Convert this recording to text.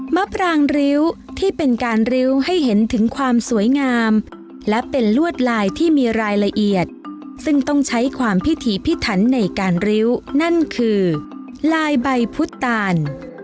มะปรางริ้วที่เป็นการริ้วให้เห็นถึงความสวยงามและเป็นลวดลายที่มีรายละเอียดซึ่งต้องใช้ความพิถีพิถันในการริ้วนั่นคือลายใบพุทธตาล